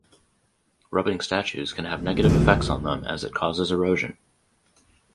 Rubbing statues can have negative effects on them as it causes erosion.